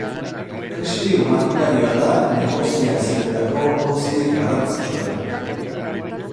Krisi humanitarioa da negoziazioetako auzi garrantzitsuena.